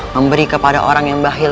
memberi kepada orang yang bahir